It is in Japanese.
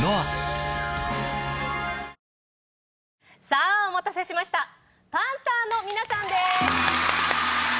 さぁお待たせしましたパンサーの皆さんです。